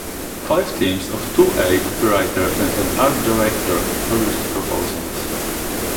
Five teams of two-a copywriter and an art director-produced proposals.